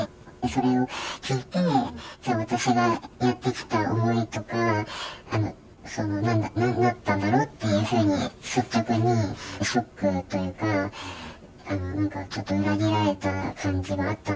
それを聞いて、じゃあ私がやってきた思いとか、なんだったんだろうっていうふうに、率直にショックというか、なんかちょっと裏切られた感じがあった。